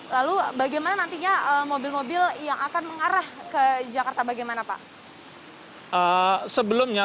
lalu bagaimana nantinya mobil mobil yang akan mengarah ke jakarta bagaimana pak